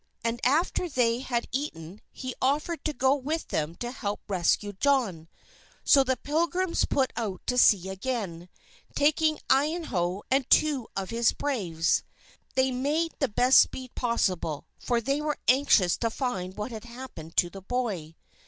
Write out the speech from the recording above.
And after they had eaten, he offered to go with them to help rescue John. So the Pilgrims put out to sea again, taking Iyanough and two of his braves. They made the best speed possible, for they were anxious to find what had happened to the boy.